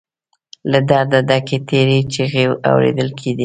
له درده ډکې تېرې چيغې اورېدل کېدې.